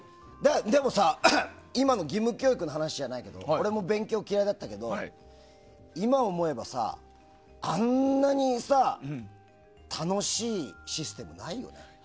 でも、今の義務教育の話じゃないけど俺も勉強嫌いだったけど今思えばあんなに楽しいシステムないよ。